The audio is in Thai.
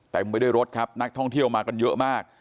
ไปด้วยรถครับนักท่องเที่ยวมากันเยอะมาก